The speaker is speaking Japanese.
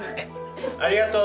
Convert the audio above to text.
ありがとう。